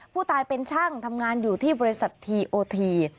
ผู้ตายเป็นช่างทำงานอยู่ที่บริษัททีโอที